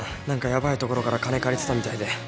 何かヤバいところから金借りてたみたいで。